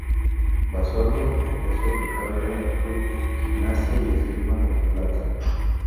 Basualdo empezó su carrera en Club Gimnasia y Esgrima de La Plata.